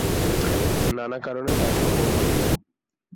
নানা কারনে তা সম্ভব হয়নি।